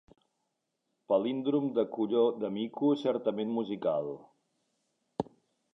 Palíndrom de colló de mico certament musical.